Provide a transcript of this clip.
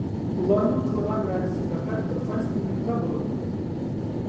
ئۇلارنىڭ قىلغان ۋەدىسى پەقەت بىر قانچە كۈنلۈكلا بولىدۇ.